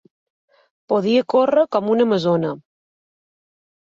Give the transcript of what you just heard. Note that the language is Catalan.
Podia córrer com una amazona.